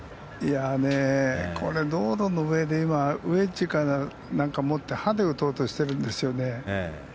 これ、ロードの上でウェッジか何か持って歯で打とうとしてるんですよね。